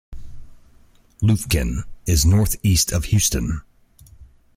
Lufkin is northeast of Houston.